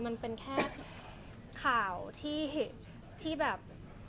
มันเป็นแค่ข่าวที่แบบ